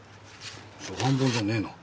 初版本じゃねえの。